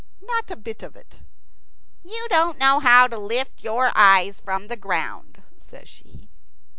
Not a bit of it. "You don't know how to lift your eyes from the ground," says she.